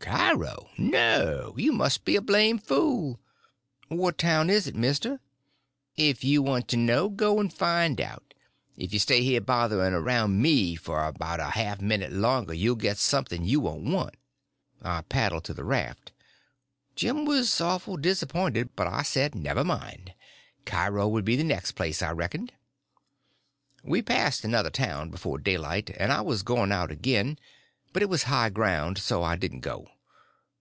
"Cairo? no. You must be a blame' fool." "What town is it, mister?" "If you want to know, go and find out. If you stay here botherin' around me for about a half a minute longer you'll get something you won't want." I paddled to the raft. Jim was awful disappointed, but I said never mind, Cairo would be the next place, I reckoned. We passed another town before daylight, and I was going out again; but it was high ground, so I didn't go.